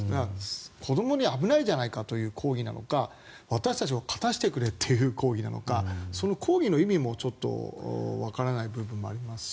子どもに危ないじゃないかという抗議なのか私たちを勝たしてくれという抗議なのか、抗議の意味もちょっと、わからない部分もありますし。